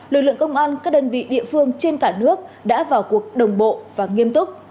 lực lượng công an các đơn vị địa phương trên cả nước đã vào cuộc đồng bộ và nghiêm túc